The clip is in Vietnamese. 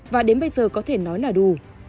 và đến bây giờ có thể nói là đủ